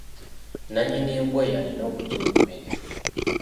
Nannyini mbwa eyo alina okugiwa emmere.